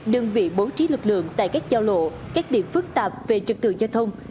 đơn vị bố trí lực lượng tại các giao lộ các điểm phức tạp về trực tự giao thông